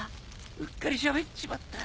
うっかりしゃべっちまった。